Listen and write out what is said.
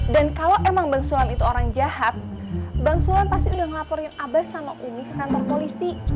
dan kalau emang bang sulam itu orang jahat bang sulam pasti udah ngelaporin abah sama umi ke kantor polisi